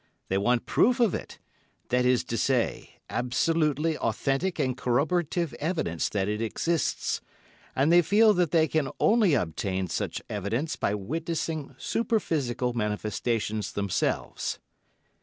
They want proof of it—that is to say, absolutely authentic and corroborative evidence that it exists—and they feel that they can only obtain such evidence by witnessing superphysical manifestations themselves.